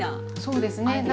そうですね。